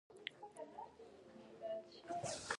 وادي د افغانستان د ځایي اقتصادونو بنسټ دی.